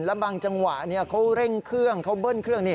แล้วบางจังหวะเขาเร่งเครื่องเขาเบิ้ลเครื่อง